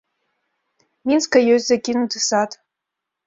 Мінска ёсць закінуты сад.